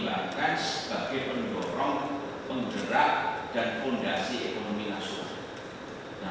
ini dipertimbangkan sebagai pendorong penggerak dan fundasi ekonomi nasional